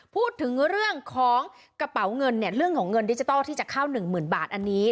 พูดถึงเรื่องของกระเป๋าเงินเนี่ยเรื่องของเงินดิจิทัลที่จะเข้า๑๐๐๐บาทอันนี้